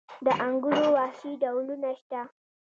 د انګورو وحشي ډولونه شته؟